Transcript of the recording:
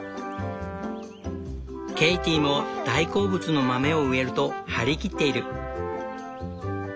ケイティも「大好物の豆を植える」と張り切っている。